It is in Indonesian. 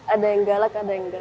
ada yang galak ada yang galak